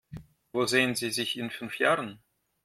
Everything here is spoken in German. Wo sehen Sie sich in fünf Jahren?